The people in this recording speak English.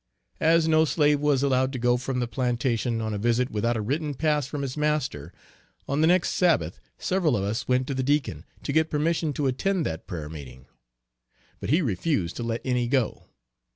As no slave was allowed to go from the plantation on a visit without a written pass from his master, on the next Sabbath several of us went to the Deacon, to get permission to attend that prayer meeting; but he refused to let any go.